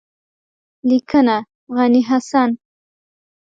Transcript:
لیکنه: غني حسن